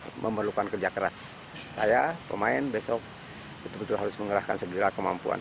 saya memerlukan kerja keras saya pemain besok betul betul harus mengerahkan segera kemampuan